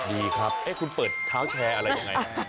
ดีครับเอ๊ะคุณเปิดเท้าแชร์อะไรอย่างไร